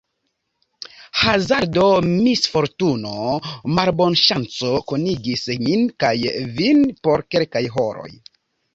Hazardo, misfortuno, malbonŝanco kunigis min kaj vin por kelkaj horoj.